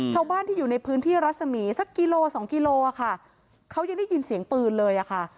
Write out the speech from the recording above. ชาวบ้านที่อยู่ในพื้นที่รัศมีสักกิโลสองกิโลอ่ะค่ะเขายังได้ยินเสียงปืนเลยอะค่ะ